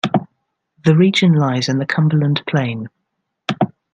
The region lies in the Cumberland Plain.